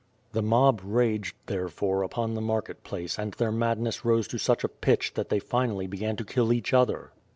The mob raged, therefore, upon the market place and their madness rose to such a pitch that they finally began to kill each other.